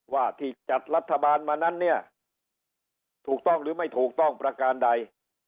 ว่าที่จัดรัฐบาลมานั้นเนี่ยถูกต้องหรือไม่ถูกต้องประการใด